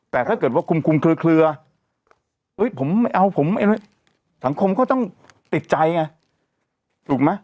แต่ถ้าเกิดว่าคุมคุมเคลือสังคมก็ต้องติดใจไงถูกไหม